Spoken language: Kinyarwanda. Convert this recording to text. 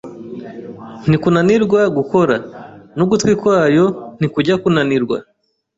ntikunanirwa gukora n’ugutwi kwayo ntikujya kunanirwa